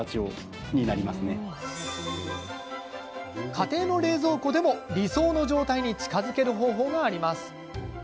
家庭の冷蔵庫でも理想の状態に近づける方法があります。